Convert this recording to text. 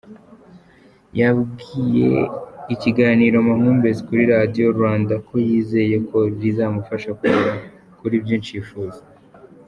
Yabwiye ikiganiro Amahumbezi kuri Radio Rwanda ko yizeye ko ‘rizamufasha kugera kuri byinshi yifuza’.